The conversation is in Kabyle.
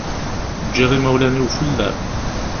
Ǧǧiɣ imawlan-iw fell-am.